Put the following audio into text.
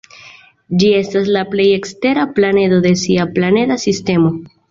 Ĝi estas la plej ekstera planedo de sia planeda sistemo.